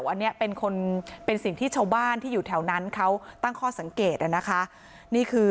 อันนี้เป็นคนเป็นสิ่งที่ชาวบ้านที่อยู่แถวนั้นเขาตั้งข้อสังเกตนะคะนี่คือ